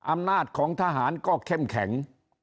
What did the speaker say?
อำนาจของทหารก็เข้มแข็ง